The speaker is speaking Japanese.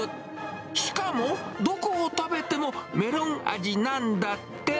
しかも、どこを食べてもメロン味なんだって。